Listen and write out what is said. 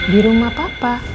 di rumah papa